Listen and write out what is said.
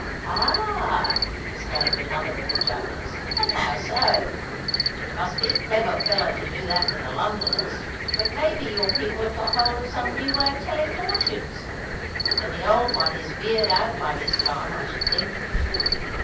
"Ah!" exclaimed another of the jugglers: "and how so? For it must be a clever feller to do that with the Londoners. But may be your people have got hold of some new way of telling fortunes—for the old one is veared out by this time, I should think."